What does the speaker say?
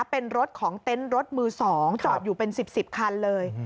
เป็นรถของเต็นต์รถมือ๒จอดอยู่เป็น๑๐๑๐คันเลย